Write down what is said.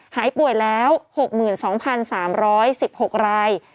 หายป่วยแล้วหกหมื่นสองพันสามร้อยสิบหกราย